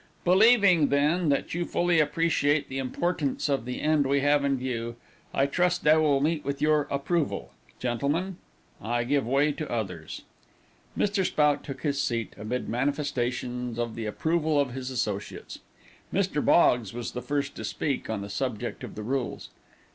Believing, then, that you fully appreciate the importance of the end we have in view, I trust they will meet with your approval. Gentlemen, I give way to others." Mr. Spout took his seat, amid manifestations of the approval of his associates. Mr. Boggs was the first to speak on the subject of the rules.